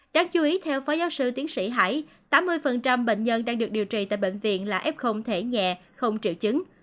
đáng chú ý theo phó giáo sư tiến sĩ hải tám mươi bệnh nhân đang được điều trị tại bệnh viện là f thể nhẹ không triệu chứng